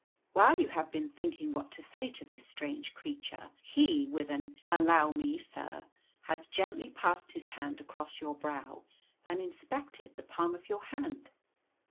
While you have been thinking what to say to this strange creature, he, with an "Allow me, sir," has gently passed his hand across your brow, and inspected the palm of your hand.